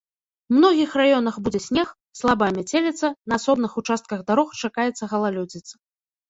У многіх раёнах будзе снег, слабая мяцеліца, на асобных участках дарог чакаецца галалёдзіца.